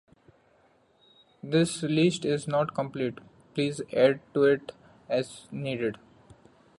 This list is not complete; please add to it as needed.